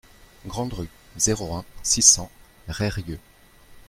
Grande Rue, zéro un, six cents Reyrieux